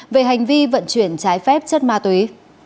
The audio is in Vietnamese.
về hành vi vận chuyển trái phép chất ma túy